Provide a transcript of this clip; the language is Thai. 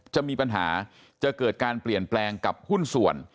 จะมีปัญหาจะเกิดการเปลี่ยนแปลงกับหุ้นส่วน